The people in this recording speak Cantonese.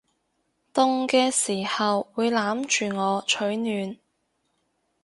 凍嘅時候會攬住我取暖